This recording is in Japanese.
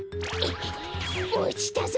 おちたぞ！